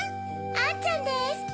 あんちゃんです。